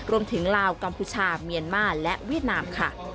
ลาวกัมพูชาเมียนมาและเวียดนามค่ะ